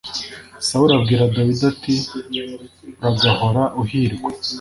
sawuli abwira dawidi ati uragahora uhirwa